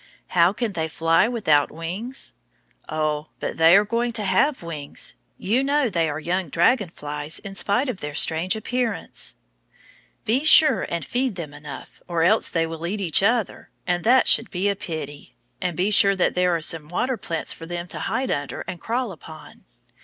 How can they fly without wings? Oh, but they are going to have wings. You know they are young dragon flies in spite of their strange appearance. Be sure and feed them enough, or else they will eat each other, and that would be a pity; and be sure there are some water plants for them to hide under and crawl upon.